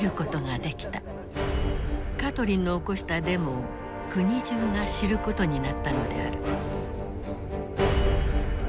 カトリンの起こしたデモを国中が知ることになったのである。